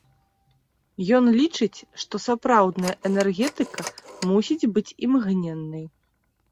Ён лічыць, што сапраўдная энергетыка мусіць быць імгненнай.